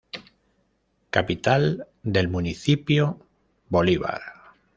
Capital del municipio Bolívar.